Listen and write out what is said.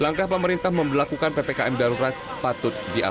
langkah pemerintah memperlakukan ppkm darurat patut diakui